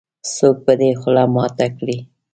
-څوک به دې خوله ماته کړې.